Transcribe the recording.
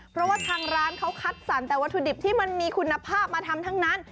เพราะว่าทางร้านเขาคัดสรรแต่วัตถุดิบที่มันมีคุณภาพมาทำทั้งนั้น